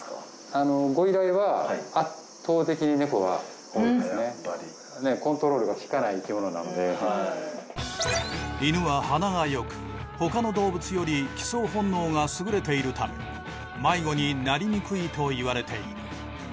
あのご依頼は犬は鼻が良く他の動物より帰巣本能が優れているため迷子になりにくいといわれている